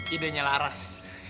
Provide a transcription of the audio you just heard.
ide nya laras